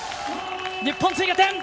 日本、追加点！